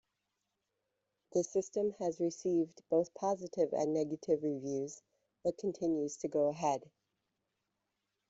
The system has received both positive and negative reviews but continues to go ahead.